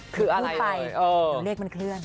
พูดไปแล้วเลขมันเคลื่อน